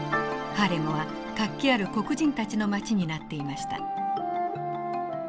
ハーレムは活気ある黒人たちの街になっていました。